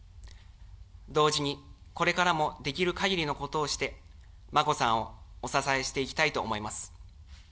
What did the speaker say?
同時に、これからもできるかぎりのことをして、眞子さんをお支えしていきたいと思います。